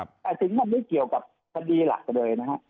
แต่สิ่งมันไม่เกี่ยวกับคดีหลักเลยนะฮะ